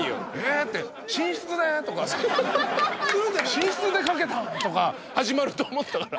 「寝室でかけた？」とか始まると思ったから。